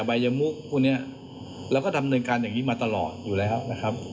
บายมุกพวกนี้เราก็ดำเนินการอย่างนี้มาตลอดอยู่แล้วนะครับ